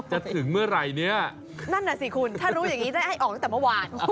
จะถึงเมื่อไหร่เนี่ยนั่นน่ะสิคุณถ้ารู้อย่างนี้ได้ให้ออกตั้งแต่เมื่อวาน